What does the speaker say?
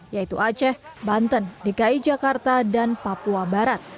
yaitu aceh banten dki jakarta dan papua barat